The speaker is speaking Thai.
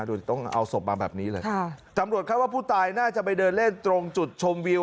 ต้องเอาศพมาแบบนี้เลยค่ะตำรวจคาดว่าผู้ตายน่าจะไปเดินเล่นตรงจุดชมวิว